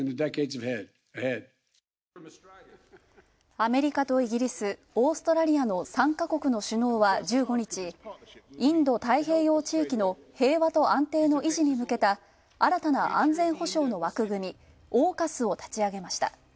アメリカとイギリス、オーストラリアの３か国の首脳は１５日、インド太平洋地域の平和と安定の維持に向けた新たな安全保障の枠組みＡＵＫＵＳを立ち上げました。